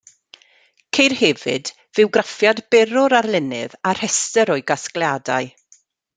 Ceir hefyd fywgraffiad byr o'r arlunydd, a rhestr o'i gasgliadau.